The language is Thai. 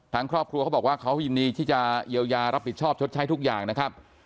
ทางครอบครัวเขาบอกว่าเขายินดีที่จะเยียวยารับผิดชอบชดใช้ทุกอย่างนะครับ